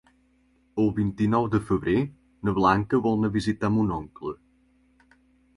El vint-i-nou de febrer na Blanca vol anar a visitar mon oncle.